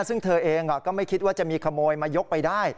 ซึ่งเธอเองก็ไม่คิดว่าจะมีขโมยมายกไปได้